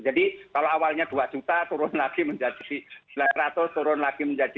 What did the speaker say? jadi kalau awalnya dua juta turun lagi menjadi seratus turun lagi menjadi empat ratus lima puluh